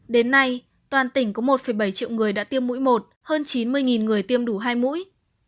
đến nay toàn tỉnh có một bảy triệu người đã tiêm mũi một hơn chín mươi người tiêm đủ hai mũi